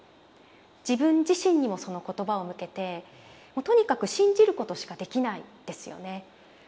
自分自身にもその言葉を向けてもうとにかく信じることしかできないんですよね。